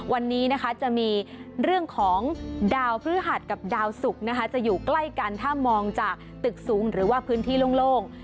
วันนี้นะคะจะมีเรื่องของดาวพฤหัสกับดาวสุกนะคะจะอยู่ใกล้กันถ้ามองจากตึกสูงหรือว่าพื้นที่โล่ง